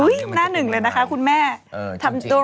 อุ๊ยน่าหนึ่งเลยนะคะคุณแม่